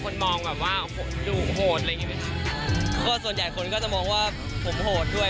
คนมองแบบว่าดุโหดอะไรอย่างงีไหมคะก็ส่วนใหญ่คนก็จะมองว่าผมโหดด้วย